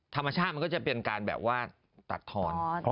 ธรรมชาติมันก็จะเป็นการแบบว่าตัดทอน